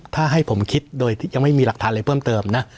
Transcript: ถ้าให้ผมคิดโดยยังไม่มีหลักฐานอะไรเพิ่มเติมนะ